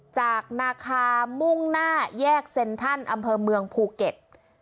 นาคามุ่งหน้าแยกเซ็นทรัลอำเภอเมืองภูเก็ต